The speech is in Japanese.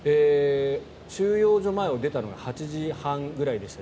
収容所前を出たのは日本時間で８時半ぐらいでした。